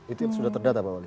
itu yang sudah terdata pak wali